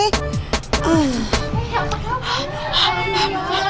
hei apa kabar